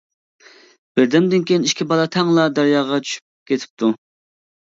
بىردەمدىن كېيىن ئىككى بالا تەڭلا دەرياغا چۈشۈپ كېتىپتۇ.